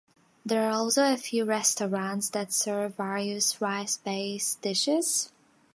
There are also a few restaurants that serve various rice-based dishes.